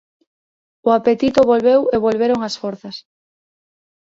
O apetito volveu e volveron as forzas.